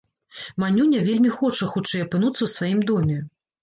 Манюня вельмі хоча хутчэй апынуцца ў сваім доме.